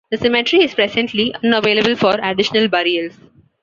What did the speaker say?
The cemetery is presently unavailable for additional burials.